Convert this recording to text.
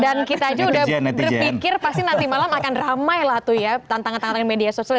dan kita aja udah berpikir pasti nanti malam akan ramai lah tuh ya tantangan tantangan media sosial